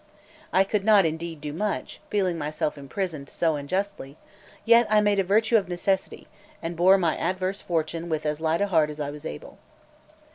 I could not indeed do much, feeling myself imprisoned so unjustly; yet I made a virtue of necessity, and bore my adverse fortune with as light a heart as I was able.